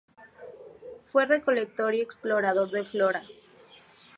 Fue recolector y explorador de flora.